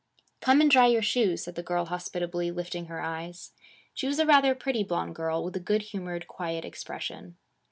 'Come and dry your shoes,' said the girl hospitably, lifting her eyes. She was a rather pretty blonde girl, with a good humored, quiet expression.